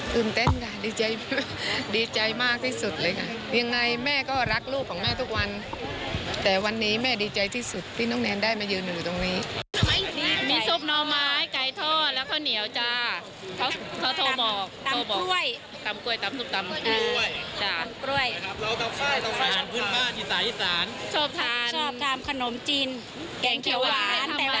แกงเคียวหวานแต่วันนี้ไม่ได้ทำมา